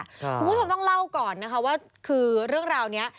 คุณผู้ชมต้องเล่าก่อนนะคะว่าคือเรื่องราวนี้